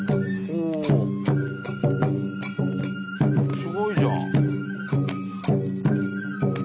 すごいじゃん。